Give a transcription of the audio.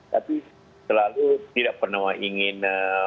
tapi selalu tidak pernah ingin